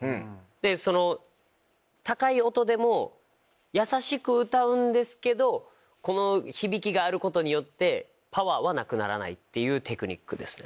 その高い音でも優しく歌うんですけどこの響きがあることによってパワーはなくならないっていうテクニックですね。